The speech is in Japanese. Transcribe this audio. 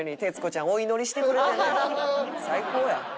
最高や。